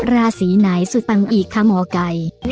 ราศีไหนสุดปังอีกคะหมอไก่